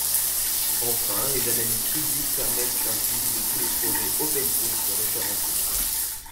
Enfin, les analyses publiques permettent un suivi de tous les projets OpenSource référencés.